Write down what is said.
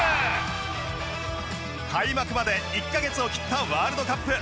開幕まで１カ月を切ったワールドカップ。